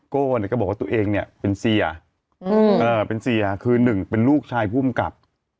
โก้นั้นก็บอกว่าตัวเองเป็นเสียคือ๑เป็นลูกชายภูมิกับ